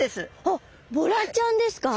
あっボラちゃんですか？